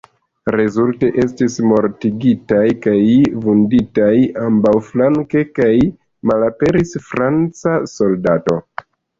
Rezulte estis mortigitaj kaj vunditaj ambaŭflanke, kaj malaperis franca soldato.